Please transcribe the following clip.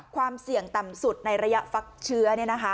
ความเสี่ยงต่ำสุดในระยะฟักเชื้อ